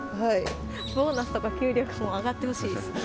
ボーナスとか給料とかも上がってほしいですね。